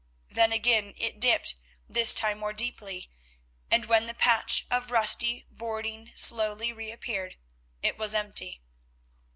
Then again it dipped, this time more deeply, and when the patch of rusty boarding slowly reappeared, it was empty.